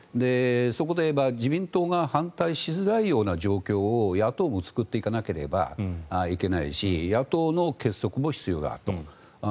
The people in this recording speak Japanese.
そこで自民党が反対しづらいような状況を野党も作っていかなければいけないし野党の結束も必要だと。